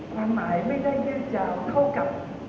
ความหมายไม่ได้น่าจะเท่ากับ